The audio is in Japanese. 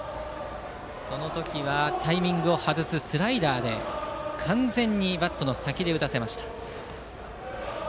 その時はタイミングを外すスライダーで完全にバットの先で打たせました。